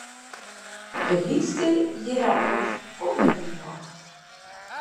De hjitste ierappels komme dus noch.